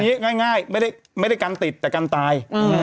เอางี้ง่ายไม่ได้การติดแต่การตาย